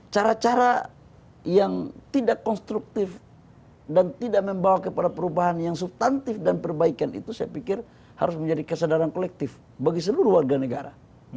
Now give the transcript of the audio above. cara cara yang tidak konstruktif dan tidak membawa kepada perubahan yang subtantif dan perbaikan itu saya pikir harus menjadi kesadaran kolektif bagi seluruh warga negara